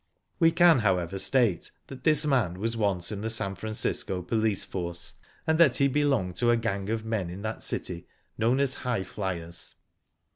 " We can, however, state that this man was once in the San Francisco police force, and that he belonged to a gang of men in that city known as Highflyers.